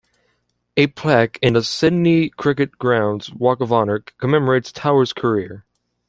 A plaque in the Sydney Cricket Ground's Walk of Honour commemorates Towers' career.